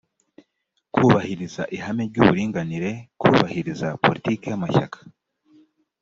kubahiriza ihame ry uburinganire kubahiriza politiki y amashyaka